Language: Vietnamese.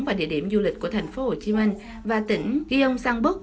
và địa điểm du lịch của tp hcm và tỉnh gyeongsangbuk